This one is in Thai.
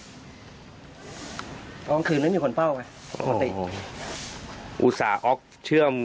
ตอนกลางคืนนึงมีคนเป้าค่ะมาติกออกเชื่อม